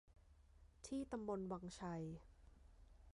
ที่ตำบลวังชัย